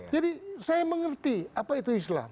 jadi saya mengerti apa itu islam